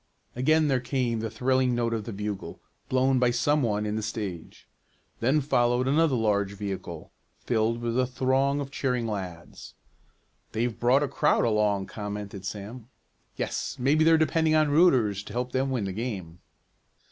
Again there came the thrilling notes of the bugle, blown by some one in the stage. Then followed another large vehicle, filled with a throng of cheering lads. "They've brought a crowd along," commented Sam. "Yes, maybe they're depending on rooters to help them win the game."